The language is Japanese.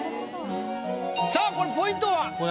さぁこれポイントは？